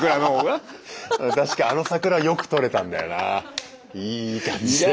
確かにあの桜はよく撮れたんだよなあいい感じで。